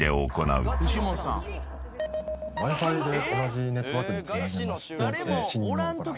Ｗｉ−Ｆｉで同じネットワークにつなげまして侵入を行うと。